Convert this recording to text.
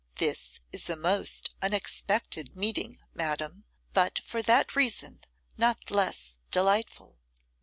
This a most unexpected meeting, madam, but for that reason not less delightful.